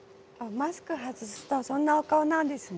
マスクを外すとそんなお顔なんですね。